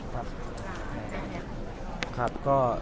หลายคนมาได้ชื่อภาพด้วยมัน